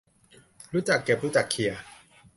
รู้จักเก็บรู้จักเขี่ย